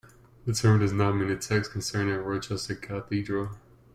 The term does not mean a text concerning Rochester Cathedral.